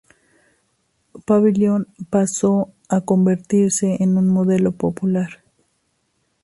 Pavilion pasó a convertirse en un modelo popular.